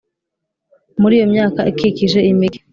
muri iyo myaka ikikije imigi